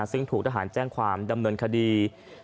ซึ่งถูกทหารแจ้งความดำเนินคดี